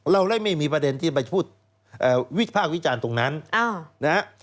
เราไม่มีประเด็นที่จะพูดวิภาควิจารณ์ตรงนั้น